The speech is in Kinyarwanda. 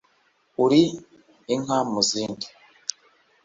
uri inka mu zindi